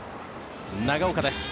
長岡です。